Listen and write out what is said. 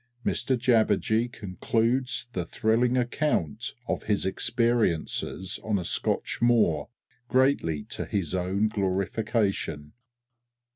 XXV _Mr Jabberjee concludes the thrilling account of his experiences on a Scotch moor, greatly to his own glorification.